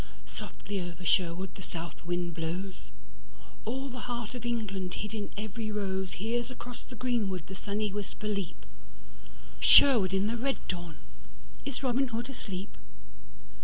Softly over Sherwood the south wind blows; All the heart of England hid in every roseHears across the greenwood the sunny whisper leap, Sherwood in the red dawn, is Robin Hood asleep?